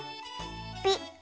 ピッ。